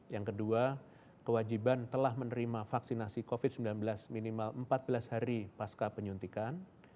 yang kedua kewajiban telah menerima vaksinasi covid sembilan belas minimal empat belas hari pasca penyuntikan